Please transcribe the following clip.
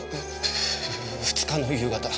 ２日の夕方。